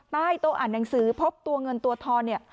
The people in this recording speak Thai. ใต้โต๊ะอ่านหนังสือพบตัวเงินตัวทอนเนี่ย